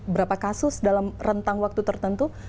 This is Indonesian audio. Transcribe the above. berapa kasus dalam rentang waktu tertentu